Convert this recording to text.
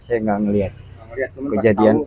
saya nggak melihat kejadian